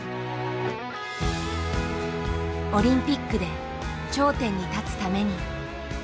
オリンピックで頂点に立つために。